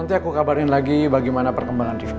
nanti aku kabarin lagi bagaimana perkembangan di sini